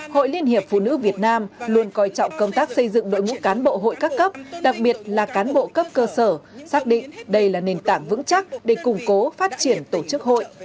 hội liên hiệp phụ nữ việt nam luôn coi trọng công tác xây dựng đội ngũ cán bộ hội các cấp đặc biệt là cán bộ cấp cơ sở xác định đây là nền tảng vững chắc để củng cố phát triển tổ chức hội